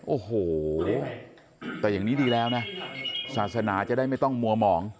โอ้โหแต่อย่างนี้ดีแล้วนะศาสนาจะได้ไม่ต้องมัวหมอง